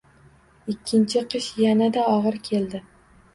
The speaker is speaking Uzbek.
Ikkinchi qish yanada og`ir keldi